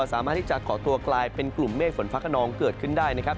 สามารถที่จะก่อตัวกลายเป็นกลุ่มเมฆฝนฟ้าขนองเกิดขึ้นได้นะครับ